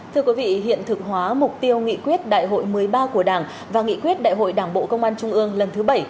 thưa quý vị hiện thực hóa mục tiêu nghị quyết đại hội một mươi ba của đảng và nghị quyết đại hội đảng bộ công an trung ương lần thứ bảy